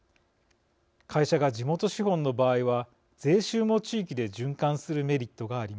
会社が地元資本の場合は税収も地域で循環するメリットがあります。